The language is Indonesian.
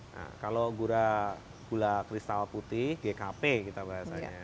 nah kalau gula kristal putih gkp kita bahasanya